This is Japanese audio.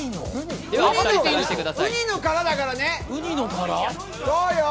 ウニの殻だからね。